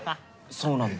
そうなんだ。